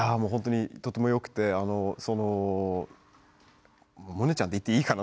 とてもよくて萌音ちゃんと言っていいかな。